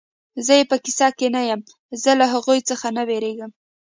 زه یې په کیسه کې نه یم، زه له هغو څخه نه وېرېږم.